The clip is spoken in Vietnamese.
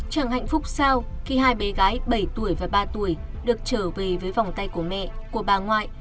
chẳng hạnh phúc sau khi hai bé gái bảy tuổi và ba tuổi được trở về với vòng tay của mẹ của bà ngoại